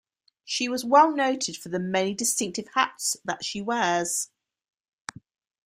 She is well noted for the many distinctive hats that she wears.